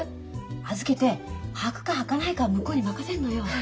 預けて履くか履かないかは向こうに任せんのよ。